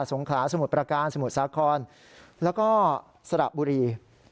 งขลาสมุทรประการสมุทรสาครแล้วก็สระบุรี